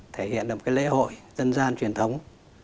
thể hiện được một cái lễ hội dân gian truyền thống